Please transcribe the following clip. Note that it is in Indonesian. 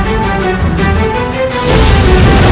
tahan ambisi kalian